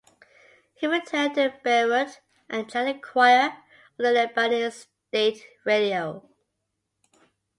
He returned to Beirut and joined the choir of the Lebanese state radio.